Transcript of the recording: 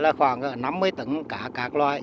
là khoảng năm mươi tấn cá các loại